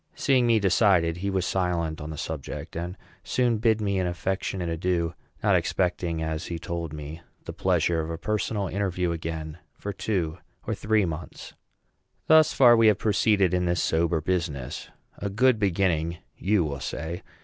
Seeing me decided, he was silent on the subject, and soon bade me an affectionate adieu, not expecting, as he told me, the pleasure of a personal interview again for two or three months. Thus far we have proceeded in this sober business. A good beginning, you will say.